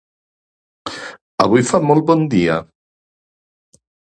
Avui fa molt bon dia!